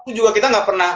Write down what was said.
itu juga kita nggak pernah